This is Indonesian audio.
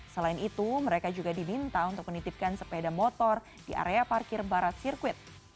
selain itu mereka juga diminta untuk menitipkan sepeda motor di area parkir barat sirkuit